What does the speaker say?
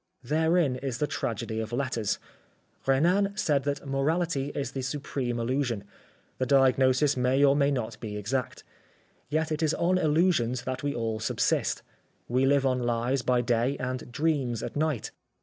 Therein is the tragedy of letters. Renan said that morality is the supreme illusion. The diagnosis may or may not be exact. Yet it is on illusions that we all subsist. We live on lies by day and dreams at night.